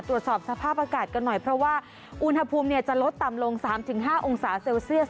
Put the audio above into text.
ตรวจสอบสภาพอากาศกันหน่อยเพราะว่าอุณหภูมิจะลดต่ำลง๓๕องศาเซลเซียส